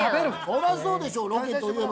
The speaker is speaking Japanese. そらそうでしょロケといえば。